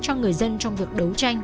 cho mỗi người dân trong việc đấu tranh